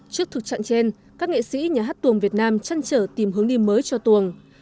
trước thực trạng trên các nghệ sĩ nhà hát tuồng việt nam chăn trở tìm hướng đi mới cho tuồng